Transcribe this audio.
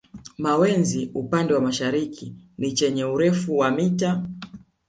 Mawenzi upande wa mashariki ni chenye urefu wa mita